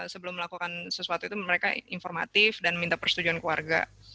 sebelum melakukan sesuatu itu mereka informatif dan minta persetujuan keluarga